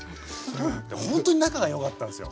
ほんとに仲がよかったんすよ。